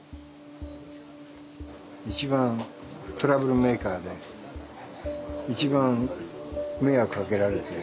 一番トラブルメーカーで一番迷惑かけられて。